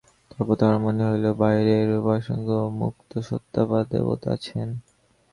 তারপর তাহার মনে হইল, বাহিরে এইরূপ অসংখ্য মুক্ত সত্তা বা দেবতা আছেন।